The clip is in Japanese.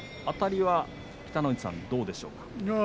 あたりは北の富士さん、どうでしたか。